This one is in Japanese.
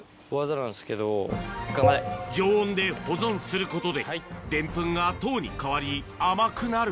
常温で保存することで、デンプンが糖に変わり、甘くなる。